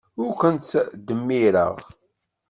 Ur kent-ttdemmireɣ.